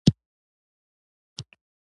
اساسي دلیل یې فرهنګي او اجتماعي مشترکات دي.